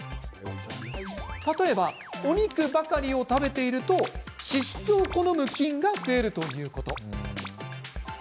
例えばお肉ばかりを食べていると脂質を好む菌が増えるということ。